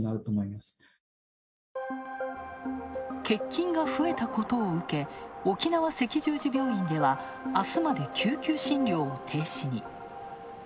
欠勤が増えたことを受け沖縄赤十字病院では、あすまで救急診療を停止に。